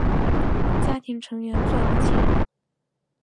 家庭成员赚的钱